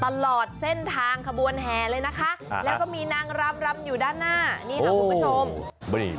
ตลอดเส้นทางขบวนแห่เลยนะคะแล้วก็มีนางรำรำอยู่ด้านหน้านี่ค่ะคุณผู้ชม